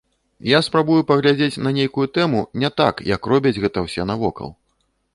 Я спрабую паглядзець на нейкую тэму не так, як робяць гэта ўсе навокал.